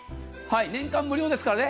年間無料ですからね。